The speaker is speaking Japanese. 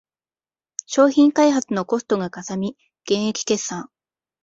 商品開発のコストがかさみ減益決算